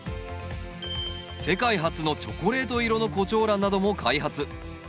世界初のチョコレート色のコチョウランなども開発。